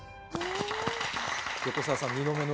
横澤さん２度目の。